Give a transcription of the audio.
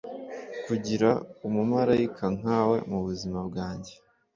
kugira umumarayika nkawe mubuzima bwanjye,